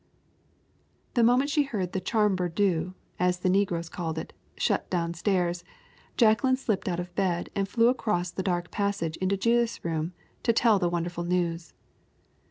The moment she heard the "charmber do'," as the negroes called it, shut down stairs, Jacqueline slipped out of bed and flew across the dark passage into Judith's room to tell the wonderful news.